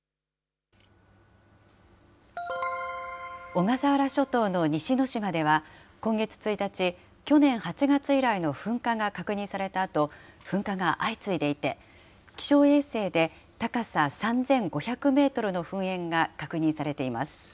小笠原諸島の西之島では、今月１日、去年８月以来の噴火が確認されたあと、噴火が相次いでいて、気象衛星で高さ３５００メートルの噴煙が確認されています。